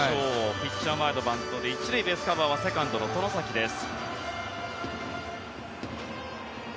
ピッチャー前のバント１塁ベースカバーは外崎です。